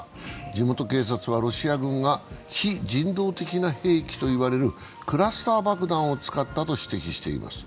地元警察は、ロシア軍が非人道的な兵器と言われるクラスター爆弾を使ったと指摘しています。